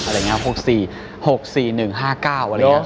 ๖๔๑๕อะไรอย่างนี้๖๔๔๕๙หรืออะไรนี่